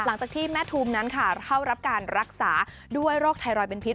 หลังจากที่แม่ทุมนั้นค่ะเข้ารับการรักษาด้วยโรคไทรอยด์เป็นพิษ